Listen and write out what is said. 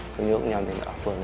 cái tổ chính sát cùng với tôi